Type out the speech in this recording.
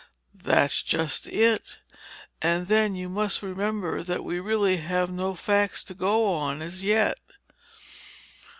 "That's just it. And then you must remember that we really have no facts to go on as yet."